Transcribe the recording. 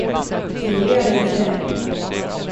Driver jag dig till det?